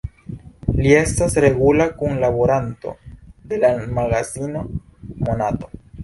Li estas regula kunlaboranto de la magazino "Monato".